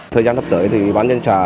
thời gian sắp tới thì bán nhân xã